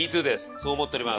そう思っております。